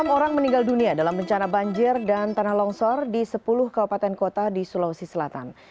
enam orang meninggal dunia dalam bencana banjir dan tanah longsor di sepuluh kabupaten kota di sulawesi selatan